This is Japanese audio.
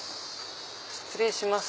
失礼します。